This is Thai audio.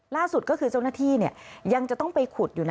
ล่าสุดก็คือเจ้าหน้าที่ยังจะต้องไปขุดอยู่นะ